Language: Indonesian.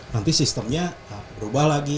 nanti sistemnya berubah lagi